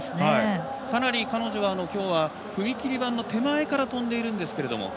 かなり彼女はきょうは踏切板の手前から跳んでいるんですが。